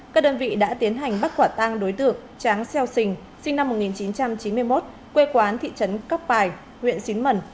các đơn vị đã tiến hành bắt quả tang đối tượng tráng xeo sình sinh năm một nghìn chín trăm chín mươi một quê quán thị trấn cóc pài huyện xín mần